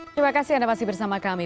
terima kasih anda masih bersama kami